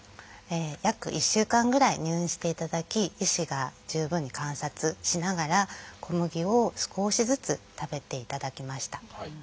約１週間ぐらい入院していただき医師が十分に観察しながら小麦を少しずつ食べていただきました。